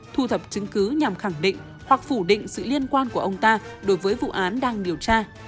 thu thập chứng cứ nhằm khẳng định hoặc phủ định sự liên quan của ông ta đối với vụ án đang điều tra